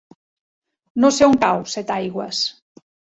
No sé on cau Setaigües.